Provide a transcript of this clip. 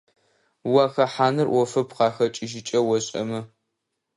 Уахэхьаныр Iофэп къахэкIыжьыкIэ ошIэмэ.